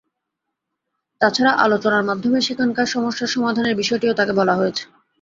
তা ছাড়া আলোচনার মাধ্যমে সেখানকার সমস্যার সমাধানের বিষয়টিও তাঁকে বলা হয়েছে।